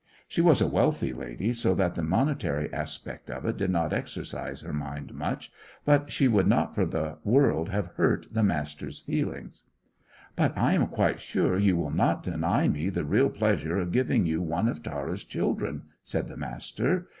She was a wealthy lady, so that the monetary aspect of it did not exercise her mind much, but she would not for the world have hurt the Master's feelings. "But I am quite sure you will not deny me the real pleasure of giving you one of Tara's children," said the Master.